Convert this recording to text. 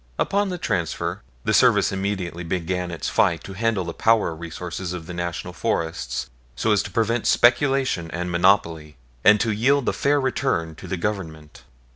Upon the transfer, the Service immediately began its fight to handle the power resources of the National Forests so as to prevent speculation and monopoly and to yield a fair return to the Government.